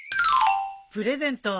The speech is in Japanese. プレゼント